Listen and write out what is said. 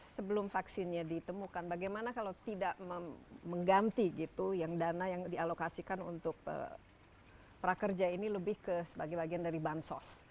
sebelum vaksinnya ditemukan bagaimana kalau tidak mengganti gitu yang dana yang dialokasikan untuk prakerja ini lebih ke sebagai bagian dari bansos